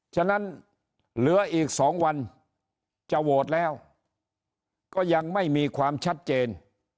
ฉะนั้นเหลืออีก๒วันจะโหวตแล้วก็ยังไม่มีความชัดเจน